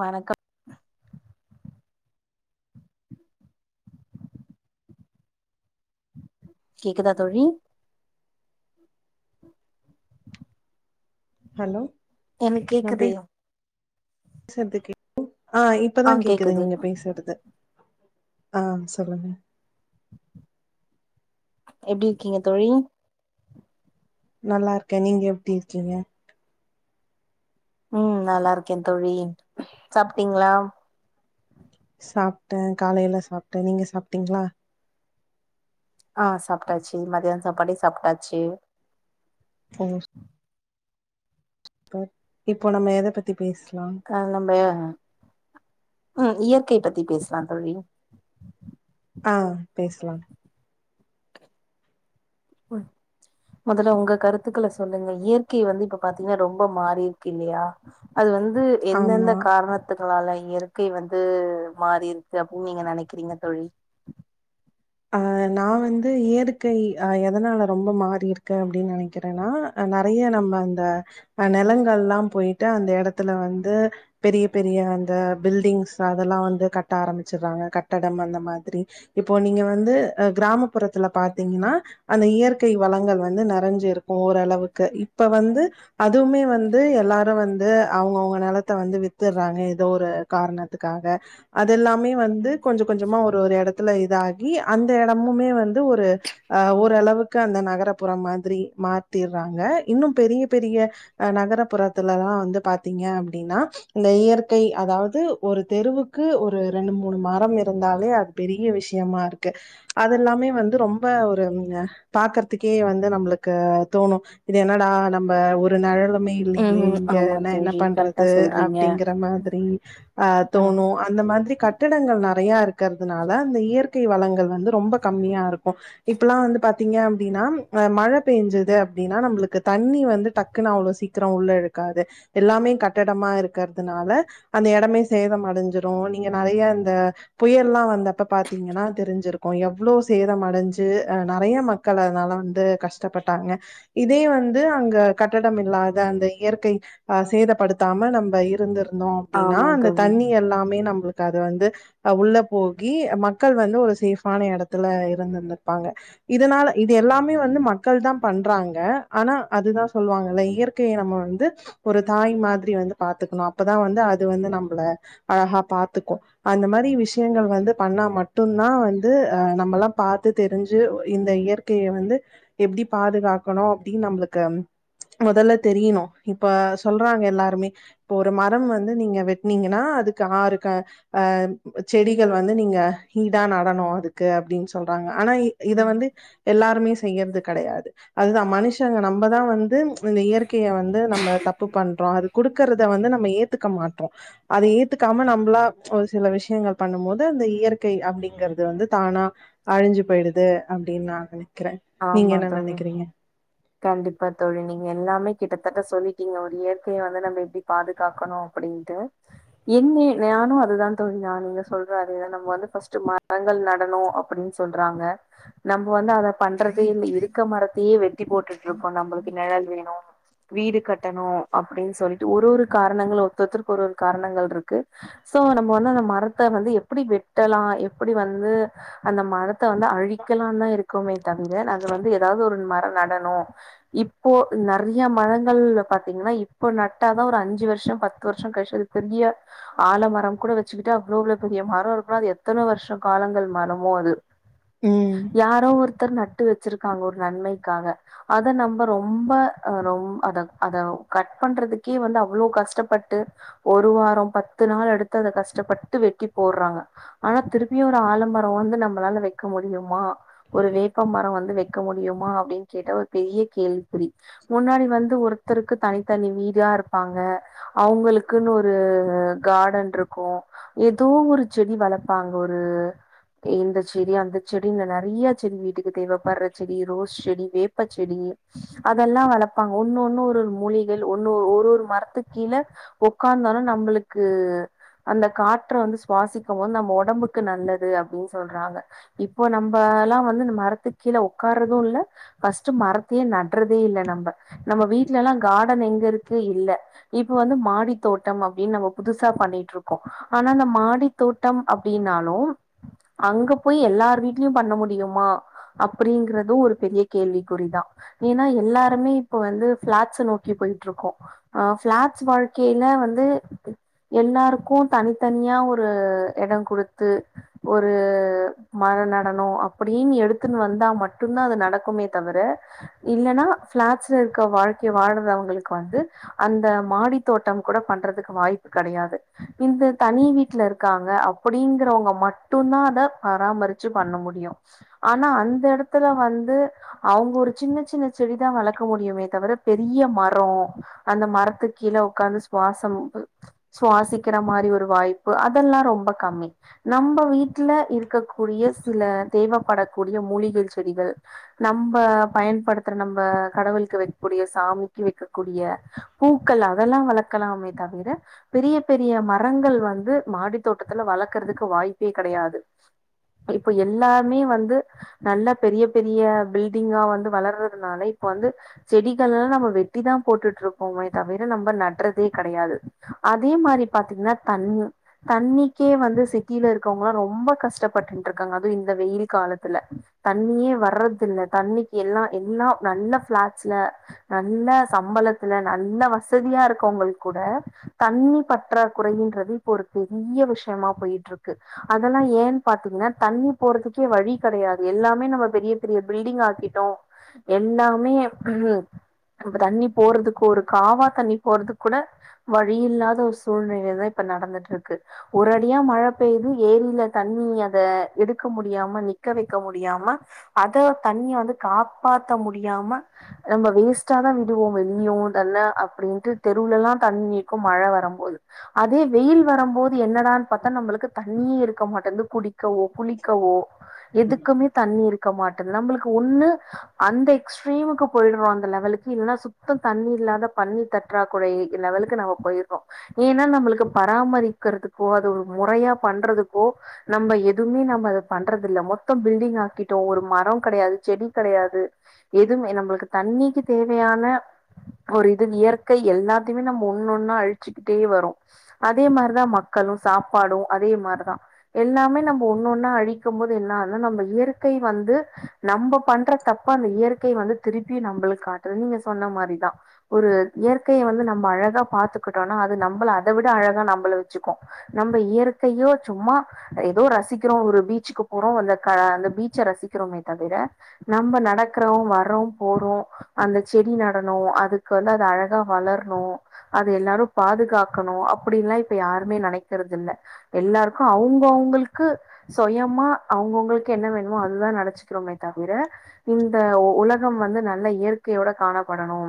வணக்கம் கேக்குதா தோழி [inaudible] ஹலோ எனக் நா கேக்குதே [unintelligible] ஆ இப்பதா கேக்குது நீங்க பேசுறது ஆ ம் சொல்லுங்க எப்டி இருக்கீங்க தோழி? நல்லா இருக்கே நீங்க எப்டி இருக்கீங்க? ம் நல்லா இருக்கே தோழி சாப்ட்டீங்களா? சாப்ட்டே காலைல சாப்ட்டே நீங்க சாப்ட்டீங்களா? ஆ சாப்ட்டாச்சு மத்தியான சாப்பாடே சாப்ட்டாச்சு. ஓ ப்போ இப்போ நம்ம எத பத்தி பேசலா காலம்பய ம் இயற்கை பத்தி பேசலாந் தோழி. ஆ பேசலா. ஓ மொதல்ல உங்க கருத்துக்கள சொல்லுங்க இயற்கை வந்து இப்ப பாத்தீங்கன்னா ரொம்ப மாறி இருக்கு இல்லையா அது வந்து ஆமா எந்தெந்த காரணத்து னால இயற்கை வந்து மாறி இருக்கு அப்டி நீங்க நெனைக்கிறீங்க தோழி? ஆ நா வந்து இயதுக்கை ஆ எதனால ரொம்ப மாறிருக்கு அப்டின்னு நெனைக்கிறேன்னா அ நெறைய நம்ம அந்த அ நெலங்கல்லா போயிட்டு அந்த எடத்துல வந்து பெரிய பெரிய அந்த பில்டிங்ஸ் அதெல்லா வந்து கட்ட ஆரம்பிச்சர்றாங்க கட்டடம் அந்த மாதிரி இப்போ நீங்க வ வந்து அ கிராமப்புறத்துல பாத்தீங்கன்னா அந்த இயற்கை வளங்கள் வந்து நெறைஞ்சிருக்கு ஓரளவுக்கு. இப்ப வந்து அதுவுமே வந்து எல்லாரு வந்து அவங்கவுங்க நெலத்த வந்து வித்துர்றாங்க எதோ ஒரு காரணத்துக்காக. அதெல்லாமே வந்து கொஞ்ச கொஞ்சமா ஒரு ஒரு எட த்துல இது ஆ ரி அந்த எடமுமே வந்து ஒரு ஆ ஓரளவுக்கு அந்த நகரப்புறோ மாதிரி மாத்திர்றாங்க. இன்னும் பெரிய பெரிய அ நகரபுறத்துலலா வந்து பாத்தீங்க அப்டின்னா இந்த இயற்கை அதாவது ஒரு தெருவுக்கு ஒரு ரெண்டு மூணு மரம் இருந்தாலே அது பெரிய விஷயமா இரு க்கு அதெல்லாமே வந்து ரொம்ப ஒரு ம் ஆ பாக்கறதுக்கே வந்து நம்மளுக்கு தோணு இது என்னடா நம்ம ஒரு நெழலு மே இல்லயே ம் இங்க ஆமா எல்லா என்ன தோழி கரெக்டா பண்றது சொல்றீங்க அப்டிங்கற மாதிரி ஆ தோணு அந்த மாதிரி கட்டிடங்கள் நெ றையா இருக்கிறதுனால அந்த இயற் கை வளங்கள் வந்து ரொம்ப கம்மியா இருக்கு இப்பல்லா வந்து பாத்தீங்க அப்டின்னா ஆ மழ பேஞ்சுது அப்டின்னா நம்ளுக்கு தண்ணி வந்து டக்குன்னு அவ்ளோ சீக்கிரோ உள்ள இழுக்காது. எல்லாமே கட்டடமா இருக்கிறதுனால அந்த எடமே சேதமடைஞ்சிரு நீங்க நெறைய அந்த புயல்லா வந்தப்ப பாத் தீங்கன்னா தெரிஞ்சிருக்கு எவ்ளோ சேதம டைஞ்சு ஆ நெறைய ம க்கள் அதனால வந்து கஷ்டப்பட்டாங்க. இதே வந்து அங்க கட்டடம் இல்லாத அந்த இயற்கை ஆ சேதப்படுத்தாம நம்ப இருந்துரு ந்தோ அப்டின்னா ஆமா அந்த தோழி தண்ணி எல்லாமே நம்பளு க்கு அது வந்து அ உள்ள போகி அ ம க்கள் வந்து ஒரு சேஃபான எடத்துல இருந்திருந்திருப்பாங்க. இதனால இது எல்லாமே வந்து மக்கள்தா பண்றாங்க ஆனா அதுதா சொல்வாங்கல்ல இயற்கைய நம்ம வந்து ஒரு தாய் மாதிரி வந்து பாத்துக்கணு அப்பதா வந்து அது வந்து நம்பள அழகா பாத்துக்கு அந்த மாரி விஷயங்கள் வந்து பண்ணா மட் டுந்தா வந்து ஆ நம்மல்லா பாத்து தெரிஞ்சு ஒ இந்த இயற்கைய வந்து எப்டி பாதுகாக்கணு அப்டின்னு நம்பளுக்கு ம் மொதல்ல தெரியணு. இப்ப சொல்றாங்க எல்லாருமே இப்ப ஒரு மரம் வந்து நீங்க வெட்னீங்கன்னா அதுக்கு ஆறு க ஆ செடிகள் வந்து நீங்க ஈடா நடணு அதுக்கு அப்டின்னு சொல்றாங்க. ஆனா இ இத ம் வந்து எல்லாருமே செய்யறது கெடையாது. அதுதா மனுஷங்க நம்மதா வந்து இந்த இயற்கைய வந்து நம்ம தப்பு பண்றோ அது குடுக்கறத வந்து நம்ம ஏத்துக்க மாட்டோ. அத ஏத்துக்காம நம்பளா ஒரு சில விஷயங்கள் பண்ணும் போது அந்த இயற் கை அப்டிங்கறது வந்து தானா அழி்ஞ்சு போயி்டுது அப்டின்னு நா நெனை க்கிறே நீங்க ஆமா என்ன தோழி நெனைக்கிறீங்க? கண்டிப்பா தோழி. நீங்க எல்லாமே கிட்டத்தட்ட சொல்லிட்டீங்க ஒரு இயற்கைய வந்து நம்ம எப்டி பாதுகாக்கணு அப்பிடின்ட்டு. என்ன நானு அதுதா தோழி நானுமே சொல்றே அதுதா நம்ம வந்து ஃபஸ்ட்டு மரங்கள் நடணு அப்படின்னு சொல்றாங்க. நம்ப வந்து அத பண்றதே இல்ல இருக்க மரத்தையே வெட் டி போட்டுட்ருக்கோ நம்பளுக்கு நெழல் வேணு வீடு கட்டணு அப்டின் சொல்லிட்டு ஒரு ஒரு காரணங்கள் ஒருத்தொருத்துருக்கு ஒரு ஒரு காரணங்கள் இருக்கு சோ நம்ம வந்து அந்த மரத்த வந்து எப்டி வெட்டலா எப்பிடி வந்து அந்த மரத்த வந்து அழிக்கலான்னுதா இருக்குமே தவிர அது வந்து எதாவது ஒரு மரோ நட ணு இப்போ நெறைய மரங்கள்ல பாத்தீங்கன்னா இப்போ நட்டாதா ஒரு அஞ்சு வருஷோ பத்து வருஷோ கழிச்சு அது பெரிய ஆல மரம் கூட வச்சுக்கிட்டு அவ்ளோ அவ்ளோ பெரிய மரோ இருக்குன்னா அது எத்தன வருஷோ காலங்கள் மரமோ அது ம் யாரோ ஒரு த்தர் நட்டு வச்சிருக்காங்க ஒரு நன்மைக்காக அத நம்ம ரொம்ப ஆ ரொம் அத அத கட் பண்றதுக்கே வந்து அவ்ளோ கஷ்டப்பட்டு ஒரு வாரோ பத்து நாள் எடுத்து அத கஷ்டப்பட்டு வெட்டி போடறாங்க. ஆனா திருப்பியு ஒரு ஆலமரோ வந்து நம்மளால வைக்க முடியுமா ஒரு வேப்ப மரோ வந்து வைக்க முடியுமா அப்டின் கேட்டா ஒரு பெரிய கேள்வி குறி. முன்னாடி வந்து ஒருத்தருக்கு தனித்தனி வீடா இருப்பாங்க. அவங்களுக்குன்னு ஒரு கார்டன் இருக்கு. ஏதோ ஒரு செடி வளப்பாங்க ஒரு இந்த செடி அந்த செடின்னு நறைய செடி வீட்டுக்கு தேவைப்படுற செடி ரோஸ் செடி வேப்பச்செடி அதெல்லா வளப்பாங்க ஒன்னு ஒன்னு ஒரு ஒரு மூழிகள் ஒன்னு ஒரு ஒரு மரத்துக் கீழே ஒக்காந்தாலு நம்மளுக்கு அந்த காற்ற வந்து சுவாசிக்கும்போது நம்ம ஒடம்புக்கு நல்லது அப்டின்னு சொல்றாங்க இப்போ நம்மல்லா வந்து இந்த மரத்து கீழ ஒக்காற்றது இல்ல ஃபஸ்ட்டு மரத்தயே நட்றதே இல்ல நம்ம நம்ம வீட்டுலலா காடன் எங்க இருக்கு இல்ல இப்ப வந்து மாடி தோட்டம் அப்டின்னு நம்ம புதுசா பண்ணிட்ருக்கோ ஆனா அந்த மாடித்தோட்டம் அப்டின்னாலு அங்க போய் எல்லாரு வீடலயு பண்ண முடியுமா அப்டிங்கறது ஒரு பெரிய கேள்விக்குறிதா ஏன்னா எல்லாருமே இப்ப வந்து ஃபிளாட்ஸ நோக்கி போயிட்ருக்கோ ஆ ஃபிளாட்ஸ் வாழ்க்கைல வந்து எல்லாருக்கு தனித்தனியா ஒரு எடோ குடுத்து ஒரு மரோ நடனு அப்டின்னு எடுத்துன்னு வந்தா மட்டுந்தா அது நடக் குமே தவிர இல்லனா ஃபிளாட்ஸ்ல இருக்க வாழ்க்கை வாழ்றவங்களுக்கு வந்து அந்த மாடி தோட்டம் கூட பண்றதுக்கு வாய்ப்பு கடையாது இந்த தனி வீட்டுல இருக்காங்க அப்டிங்கறவங்க மட்டுந்தா அத பராமரிச்சு பண்ண முடியு ஆனா அந்த எடத்துல வந்து அவங்க ஒரு சின்ன சின்ன செடிதா வளக்க முடியுமே தவிர பெரிய மரோ அந்த மரத்துக் கீழ உக்காந்து சுவாசம் சுவாசிக்கிற மாரி ஒரு வாய்ப்பு அதெல்லா ரொம்ப கம்மி நம்ம வீட்டுல இருக்கக்கூடிய சில தேவப்படக்கூடிய மூலிகை செடிகள் நம்ம பயன்படுத்துற நம்ம கடவுள்க்கு வைக்கக்கூடிய சாமிக்கு வைக்கக்கூடிய பூக்கள் அதெல்லா வளக்கலாமே தவிர பெரிய பெரிய மரங்கள் வந்து மாடி தோட்டத்துல வளக்கறதுக்கு வாய்ப்பே கடையாது இப்ப எல்லாமே வந்து நல்ல பெரிய பெரிய பில்டிங்கலா வந்து வளர்றதுனால இப்ப வந்து செடிகள்ல்லா நம்ம வெட்டி தா போட்டுட்ருக்கோமே தவிர நம்ம நடுறதே கடையாது அதே மாரி பாத்தீங்கன்னா தண்ணி தண்ணிக்கே வந்து சிட்டில இருக்கவங்கலா ரொம்ப கஷ்டப்பட்டுட்ருக்காங்க அதுவுஇந்த வெயில் காலத்துல தண்ணியே வர்றது இல்ல தண்ணிக்கு எல்லா எல்லா நல்ல ஃபிளாட்ஸ்ல நல்ல சம்பளத்துல நல்ல வசதியா இருக்கவங்களுக் கூட தண்ணி பற்றா குறயின்றது இப்ப ஒரு பெரிய விஷயமா போயிட்ருக்கு அதெல்லா ஏனு பாத்தீங்கனா தண்ணி போறதுக்கே வழி கடையாது எல்லாமே நம்ம பெரிய பெரிய பில்டிங் ஆக்கிட்டோ எல்லாமே உ இப்ப தண்ணி போறதுக்கு ஒரு காவா தண்ணி போறதுக்கு கூட வழியில்லாத ஒரு சூழ்நிலை தா இப்ப நடந்துட்ருக்கு ஒரடியா மழ பெய்து ஏரியில தண்ணி அத எடுக்க முடியாம நிக்க வக்க முடியாம அத தண்ணிய வந்து காப்பாத்த முடியாம நம்ம வேஸ்டா தா விடுவோ வெளியூடல்ல அப்டின்டு தெருவுலலா தண்ணி இருக்கு மழ வரம்போது அதே வெயில் வரம்போது என்னடான்னு பாத்தா நம்மளுக்கு தண்ணியே இருக்க மாட்டேங்து குடி கவோ குளிக்கவோ எதுக்குமே தண்ணி இருக் கமாட் நம்மளுக்கு ஒன்னு அந்த எஸ்ட்ரீமுக்கு போயிடுரோ அந்த லெவலுக்கு இல்லனா சுத்தோ தண்ணி இல்லாத தண்ணி பற்றாகுறை லெவலுக்கு நம்ம போயிறுறோ ஏன்னா நம்மளுக்கு பராமரிக்கிறதுக்கோ அது ஒரு முறையா பண்றதுக்கோ நம்ம எதுமே நம்ம அத பண்றதுல்ல மொத்தோ பில்டிங் ஆக்கிட்டோ ஒரு ம [inaudible] மரோ கடையாது செடி கடையாது எதுமே நம்மளுக்கு தண்ணிக்கு தேவையான ஒரு இது இயற்கை எல்லாத்தையுமே நம்ம ஒண்ணொண்ணா அழிச்சுக்கிட்டே வரோ அதே மாரிதா மக்களு சாப்பாடு அதே மாரிதா எல்லாமே நம்ம ஒண்ணொன்னா அழிக்கும்போது என்னன்னா நம்ம இயற்கை வந்து நம்ம பண்ற தப்ப அந்த இயற்கை வந்து திருப்பியு நம்மளுக்கு காட்டுது நீங்க சொன்ன மாரிதா ஒரு இயற்கையை வந்து நம்ம அழகா பாத்துக்கிட்டோம்னா அது நம்மள அத விட அழகா நம்மள வச்சுக்கு நம்ம இயற்கையோ சும்மா ஏதோ ரசிக்கிறோ ஒரு பீச்சுக்கு போறோ அந்த அந்த பீச்சை ரசி கிறோமே தவிர நம்ம நடக்குறோ வர்றோ போறோ அந்த செடி நடணு அதுக்கு வந்து அது அழகா வளரணு அது எல்லாரு பாதுகாக்கணு அப்டின்ல்லா இப்ப யாருமே நனைக்கறது இல்ல எல்லாருக்கு அவங்கவுங்களுக்கு சுயமா அவங்கவுங்களுக்கு என்ன வேணுமோ அதுதா வச்சுக்குறோமே தவிர இந்த உலகம் வந்து நல்ல இயற்கையோட காணப்படணு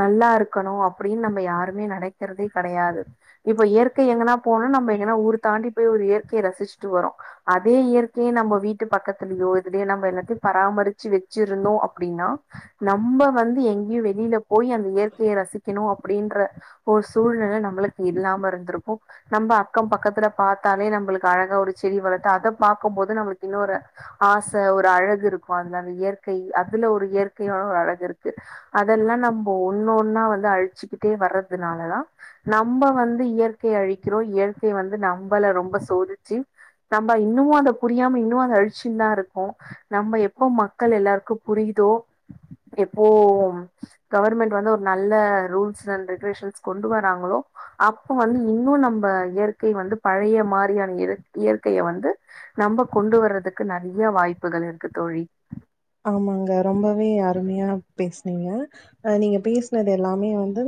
நல்லா இருக்கணு அப்டினு நம்ம யாருமே நனக்கிறதே கடையாது இப்ப இயற்கை எங்கனா போணு நம்ம எங்கனா ஊரு தாண்டி போய் ஒரு இயற் க்கைய ரசிச்சுட்டு வரோ அதே இயற்கைய நம்ம வீட்டு பக்கத் துலயோ எதுலயோ நம்ம எல்லாத்தயு பராமரிச்சு வச்சிருந்தோ அப்டின்னா நம்ம வந்து எங்கேயு வெளில போய் அந்த இயற்கைய ரசிக்கணு அப்டின்ற ஒரு சூழ்நிலை நம்மளுக்கு இல்லாம இருந்திருக்கு நம்ம அக்கம் பக்கத்துல பாத்தாலே நம்மளுக்கு அழகா ஒரு செடி வளத்து அத பாக்கும்போது நம்மளுக்கு இன்னொரு ஆச ஒரு அழகு இருக்கு அதுல அந்த இயற்கை அதுல ஒரு இயற்கையா ஒரு அழகு இருக்கு அதெல்லா நம்ம ஒன்னொன்னா வந்து அழிச்சுிக்கிட்டே வர்றதுனாலதா நம்ம வந்து இயற்கை அழிக்கிறோ இயற்கை வந்து நம்மள ரொம்ப சோதிச்சு நம்ம இன்னமு அத புரியாம இன்னு அத அழிச்ச ச்சினுதா இருக்கோ நம்ம எப்போ மக்கள் எல்லாருக்கு புரியுதோ எப்போ கவர்மெண்ட் வந்து ஒரு நல்ல ரூல்ஸ் அண்ட் ரெகுலேஷன்ஸ் கொண்டு வராங்களோ அப்ப வந்து இன்னு நம்ம இயற்கை வந்து பழைய மாரியான இயற்கைய வந்து நம்ம கொண்டு வரறதுக்கு நிறையா வாய்ப்புகள் இருக்கு தோழி ஆமாங்க. ஆ நீங்க பேசினது எல்லாமே வந்து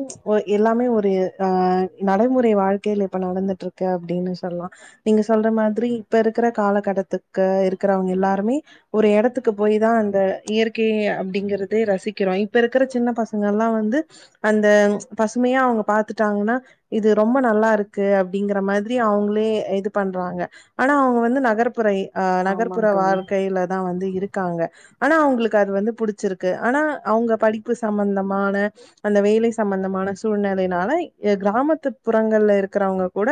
எல்லாமே ஒரு ஆ நடைமுறை வாழ்க்கைல இப்ப நடந்துட்ருக்கு அப்படின்னு சொல்லலாம் நீங்க சொல்ற மாதிரி இப்ப இருக்கிற காலகட்டத்துக்கு இருக்கிறவங்க எல்லாருமே ஒரு இடத்துக்கு போய் தா அந்த இயற்கை அப்டிங்கறத ரசிக்கிறோ இப்ப இருக்கிற சின்ன பசங்கள்ல்லா வந்து அந்த பசுமையா அவங்க பாத்துட்டாங்கன்னா இது ரொம்ப நல்லா இருக்கு அப் அப்டிங்கற மாதிரி அவங்களே இது பண்றாங்க ஆனா அவங்க வந்து நகர்ப்புற ஏ அ ஆமா நகர்ப்புற தோழி வாழ்க்கையில தா வந்து இருக்காங்க ஆனா அவங்களுக்கு அது வந்து புடிச்சிருக்கு ஆனா அவங்க படிப்பு சம்பந்தமான அந்த வேலை சம்பந்தமான சூழ்நிலையினால கிராமத்து புறங்கள்ல இருக்கிறவங்க கூட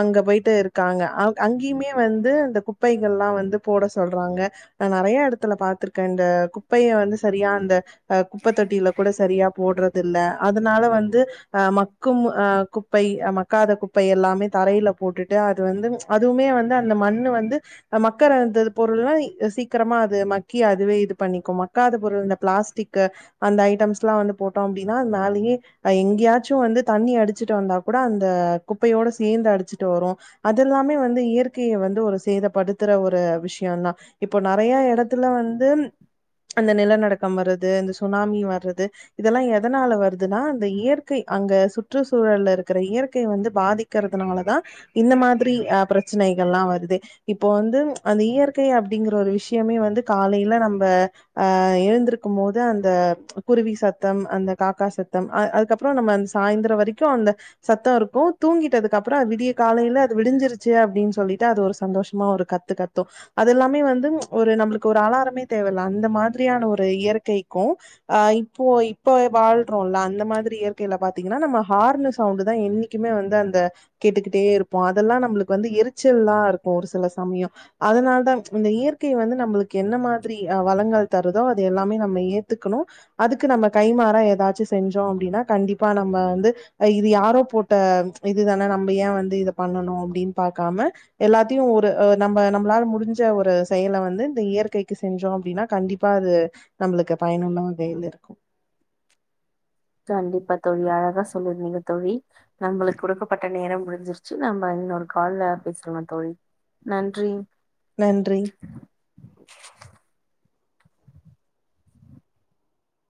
அங்க போயட்டு இருக்காங்க அ அங்கேயுமே வந்து அந்த குப்பைகல்லா வந்து போட சொல்றாங்க நா நெறையா எடத்துல பாத்து துருக்கே இந்த குப்பைய வந்து சரியா அந்த அ குப்பத்தொட்டில கூட சரியா போடுற தில்ல அதனால வந்து அ மக்கும் அ குப்பை மக்காத குப்பை எல்லாமே தரையில போட்டுட்டு அது வந்து அதுவுமே வந்து அந்த மண்ணு வந்து மக்கர அந்தபொருள்ளா சீக்கரமா அது மக்கி மக்கி அதுவே இது பண்ணிக்கு மக்காத பொருள் இந்த பிளாஸ்டிக்கு அந்த ஐட்டம்ஸ்லா வந்து போட்டோ அப்டினா அது மேலயே எங்கயாச்சு வந்து தண்ணி அடிச்சுட்டு வந்தா கூட அந்த குப்பையோட சேந்து அடிச்சிட்டு வரு அதெல்லாமே வந்து இயற்கையை வந்து ஒரு சேதப்படுத்துற ஒரு விஷயந்தா இப்போ நிறையா எடத்து த்துல வந்து அந்த நிலநடுக்கம் வருது இந்த சுனாமி வர்றது இதெல்லா எதனால வருதுனா அந்த இயற்கை அங்க சுற்று சூழல்ல இருக்கிற இயற்கை வந்து பாதிக்கிறதுனாலதா இந்த மாதிரி அ பிரச்சனைகள்ல்லா வருது இப்போ வந்து அந்த இயற் கை அப்டிங்கிற ஒரு விஷயமே வந்து என்ன நம்ம அ எழுந்திருக்கும்போது அந்த குருவி சத்தம் அந்த காக்கா சத்தம் அ அதுக்கப்புறோ நம்ம அந்த சாய்ந்திரம் வரைக்கு அந்த சத்தோ இருக்கு தூங்கிட்டதுக்கப்பறோ அது விடிய காலைல அது விடிஞ்சிருச்சு அப்டினு சொல்லிட்டு அது ஒரு சந்தோஷமா ஒரு கத்து கத்து அது எல்லாமே வந்து ஒரு நம்மளுக் க்கு ஒரு அலார மே தேவல்ல அந்த மாதிரியான ஒரு அ இயற்கைக்கு அ இப்போ இப்ப வாழ்றோல்ல அந்த மாதிரி இயற்கைல பாத்தீங்கன்னா நம்ம ஹார்னு சவுண்டு தா என்னைக்குமே வந்து அந்த கேட்டுக்கிட்டே இருப்போ அதெல்லா நம்ளுக்கு வந்து எரிச்சல்லா இருக்கு ஒரு சில சமயம் அதனால தா இந்த இயற்கை வந்து நம்ளுக்கு கு என்ன மாதிரி வளங்கள் தருதோ அது எல்லாமே நம்ம ஏத்துக்கணு அதுக்கு நம்ம கைமாறா ஏதாச்சு செஞ்சோ அப்டினா கண்டிப்பா நம்ம வந்து இது யாரோ போட்ட இது தானே நம்ம ஏ வந்து இத பண்ணணு அப்டினு பாக்காம எல்லாத்தையு ஒரு நம்ம அ நம்ளால முடிஞ்ச ஒரு செயல வந்து இந்த இயற் கைக்கு செஞ்சோ அப்டினா கண்டிப்பா அது நம்மளுக்கு பயனுல்ல வகையல இருக்கு கண்டிப்பா தோழி அழகா சொல்லிருந்தீங்க தோழி நம்பளுக்கு குடுக்கப்பட்ட நேரம் முடிஞ்சிருச்சு நம்ப இன்னொரு கால்ல பேசிடலா தோழி நன்றி. நன்றி